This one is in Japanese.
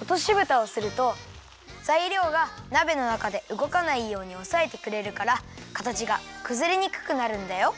おとしぶたをするとざいりょうがなべのなかでうごかないようにおさえてくれるからかたちがくずれにくくなるんだよ。